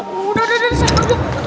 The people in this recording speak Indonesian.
udah udah saya ngedu